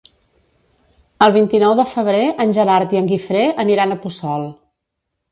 El vint-i-nou de febrer en Gerard i en Guifré aniran a Puçol.